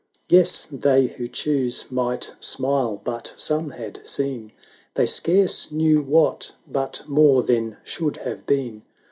140 Yes, they who chose might smile, but some had seen They scarce knew what, but more than should have been.